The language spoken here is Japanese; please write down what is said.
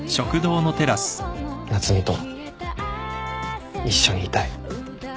夏海と一緒にいたい。